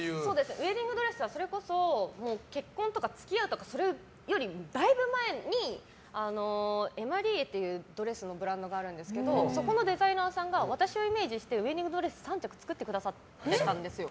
ウェディングドレスは結婚とか付き合うとかだいぶ前にエマリエっていうドレスのブランドがあるんですけどそこのデザイナーさんが私をイメージしてウェディングドレスを作ってくださってて。